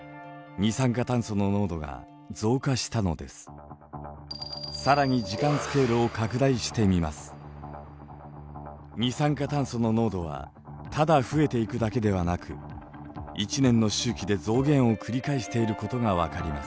二酸化炭素の濃度はただ増えていくだけではなく１年の周期で増減を繰り返していることが分かります。